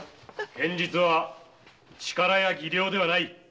・剣術は力や技量ではない。